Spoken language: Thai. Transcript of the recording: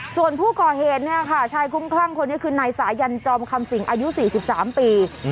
ส่วนผู้ก่อเหตุเนี่ยค่ะชายคุ้มคลั่งคนนี้คือนายสายันจอมคำสิงอายุ๔๓ปี